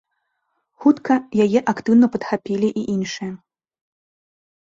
Хутка яе актыўна падхапілі і іншыя.